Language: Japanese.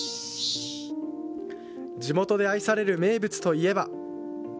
地元で愛される名物といえば。